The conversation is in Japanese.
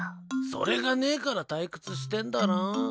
それがねえから退屈してんだろ。